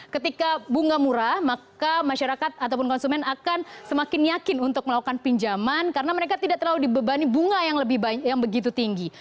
ketika bunga murah maka masyarakat ataupun konsumen akan semakin yakin untuk melakukan pinjaman karena mereka tidak terlalu dibebani bunga yang begitu tinggi